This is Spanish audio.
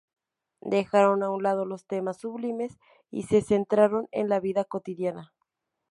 Dejaron a un lado los temas sublimes y se centraron en la vida cotidiana.